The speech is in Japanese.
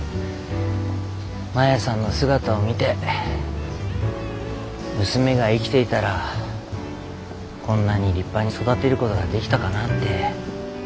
マヤさんの姿を見て娘が生きていたらこんなに立派に育てることができたかなって。